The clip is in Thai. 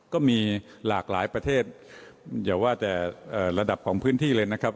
ก็มีหลากหลายประเทศอย่าว่าแต่ระดับของพื้นที่เลยนะครับ